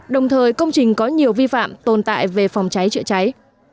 đồng thời công trình có nhiều vi phạm tồn tại về phòng cháy chữa cháy